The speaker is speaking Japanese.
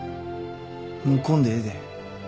もう来んでええで。